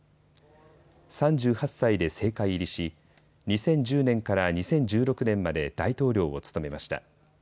３８歳で政界入りし２０１０年から２０１６年まで大統領を務めました。